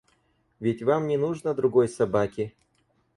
Ведь вам не нужно другой собаки?